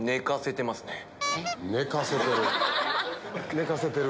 寝かせてる？